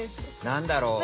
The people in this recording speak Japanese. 何だろう。